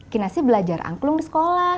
kinasi belajar angklung di sekolah